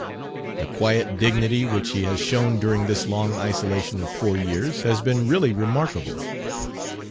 The quiet dignity which he has shown during this long isolation of four years has been really remarkable.